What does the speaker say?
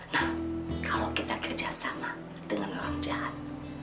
nah kalau kita kerjasama dengan orang jahat